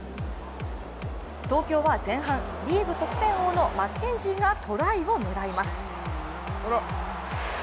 東京は前半、リーグ得点王のマッケンジーがトライを狙います。